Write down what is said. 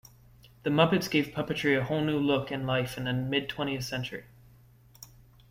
The Muppets gave puppetry a whole new look and life in the mid-twentieth century.